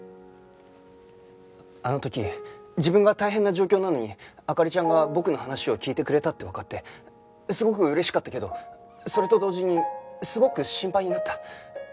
あの時自分が大変な状況なのに灯ちゃんが僕の話を聞いてくれたってわかってすごく嬉しかったけどそれと同時にすごく心配になった。